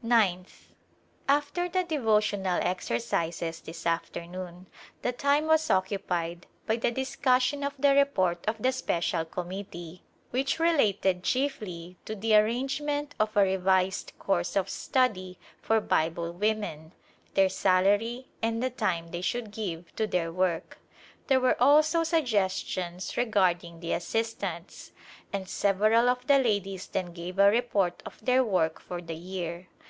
Ninth. After the devotional exercises this afternoon the time was occupied by the discussion of the report of the Special Committee, which related chiefly to the arrangement of a revised course of study for Bible women, their salarv, and the time they should give to their work ; there were also suggestions regarding the assistants ; and several of the ladies then gave a report of their work for the year.